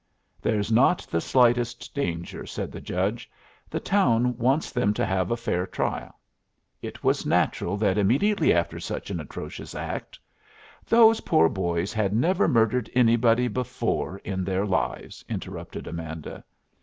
"There's not the slightest danger," said the judge. "The town wants them to have a fair trial. It was natural that immediately after such an atrocious act " "Those poor boys had never murdered anybody before in their lives," interrupted Amanda.